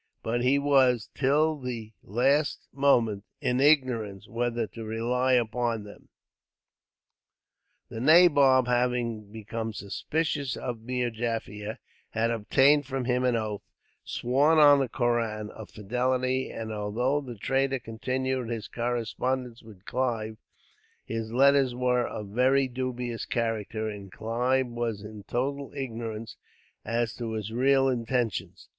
But he was, till the last moment, in ignorance whether to rely upon them. The nabob, having become suspicious of Meer Jaffier, had obtained from him an oath, sworn on the Koran, of fidelity; and although the traitor continued his correspondence with Clive, his letters were of a very dubious character, and Clive was in total ignorance as to his real intentions.